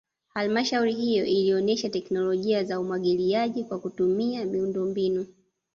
Halmashauri hiyo ilionesha teknolojia za umwagiliaji kwa kutumia miundombinu